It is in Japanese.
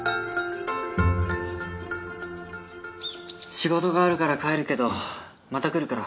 仕事があるから帰るけどまた来るから。